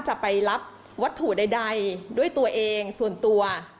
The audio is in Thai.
จะไปรับวัตถุใดด้วยตัวเองส่วนตัว